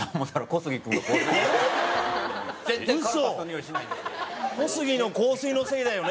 「小杉の香水のせいだよ」。